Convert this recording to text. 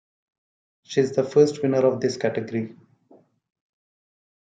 She is the first winner of this category.